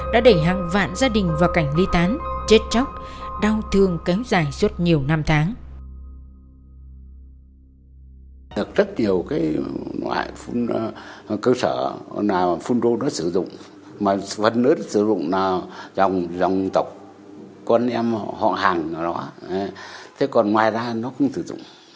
đã để hàng vạn gia đình vào cảnh ly tán chết chóc đau thương kém dài suốt nhiều năm tháng